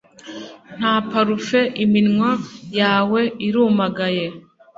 nta parufe iminwa yawe irumagaye